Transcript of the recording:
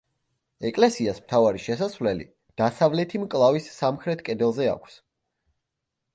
ეკლესიას მთავარი შესასვლელი დასავლეთი მკლავის სამხრეთ კედელზე აქვს.